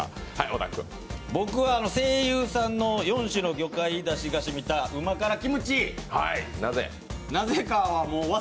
僕は西友さんの、４種の魚介だしがしみた旨辛キムチです。